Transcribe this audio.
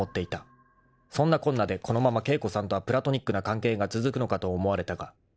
［そんなこんなでこのまま景子さんとはプラトニックな関係が続くのかと思われたが］